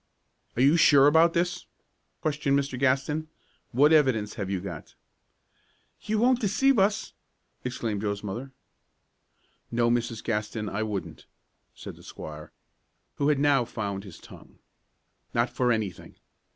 "Are you sure about this?" questioned Mr. Gaston. "What evidence have you got?" "You won't deceive us?" exclaimed Joe's mother. "No, Mrs. Gaston, I wouldn't," said the squire, who had now found his tongue, "not for anything.